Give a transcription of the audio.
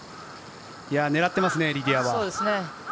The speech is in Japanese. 狙ってますね、リディアは。